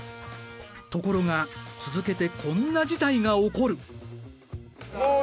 ところが続けてこんな事態が起こる。